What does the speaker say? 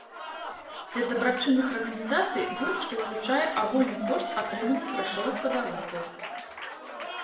Для дабрачынных арганізацый выручка ўключае агульны кошт атрыманых грашовых падарункаў.